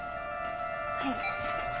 はい。